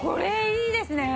いいですね。